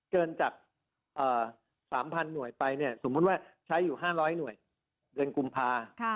เกินจาก๓๐๐หน่วยไปเนี่ยสมมุติว่าใช้อยู่๕๐๐หน่วยเดือนกุมภา